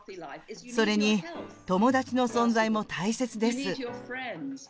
それに、友達の存在も大切です。